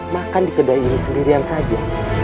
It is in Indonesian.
makan di kedai ini sendirian saja